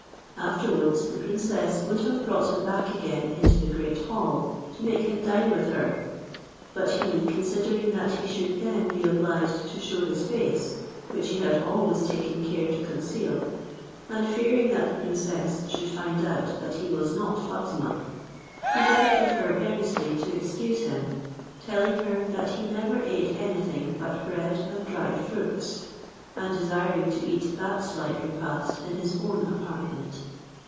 Afterwards the princess would have brought him back again into the great hall to make him dine with her; but he considering that he should then be obliged to shew his face, which he had always taken care to conceal; and fearing that the princess should find out that he was not Fatima, he begged of her earnestly to excuse him, telling her that he never ate anything but bread and dried fruits, and desiring to eat that slight repast in his own apartment.